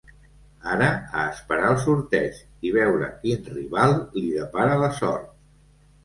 Ara, a esperar el sorteig, i veure quin rival li depara la sort.